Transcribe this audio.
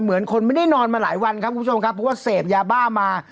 เหมือนคนไม่ได้นอนมาหลายวันครับคุณผู้ชมครับเพราะว่าเสพยาบ้ามา